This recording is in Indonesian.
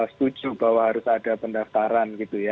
setuju bahwa harus ada pendaftaran gitu ya